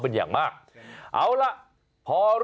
เพื่อนเอาของมาฝากเหรอคะเพื่อนมาดูลูกหมาไงหาถึงบ้านเลยแหละครับ